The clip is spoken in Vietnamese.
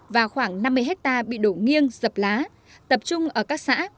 và khoảng năm mươi hectare bị đổ nghiêng dập lá tập trung ở các xã